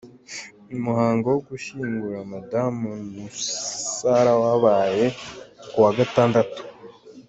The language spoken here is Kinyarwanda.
Umuhango wo gushyingura Madamu Nusara wabaye ku wa gatandatu.